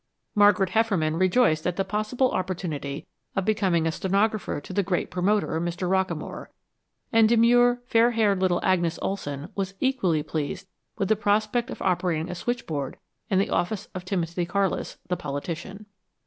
Margaret Hefferman rejoiced at the possible opportunity of becoming a stenographer to the great promoter, Mr. Rockamore; and demure, fair haired little Agnes Olson was equally pleased with the prospect of operating a switchboard in the office of Timothy Carlis, the politician.